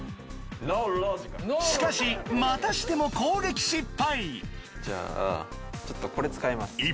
３！しかしまたしても攻撃失敗じゃあちょっとこれ使います。